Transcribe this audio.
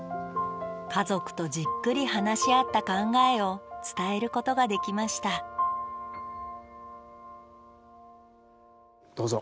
家族とじっくり話し合った考えを伝えることができましたどうぞ。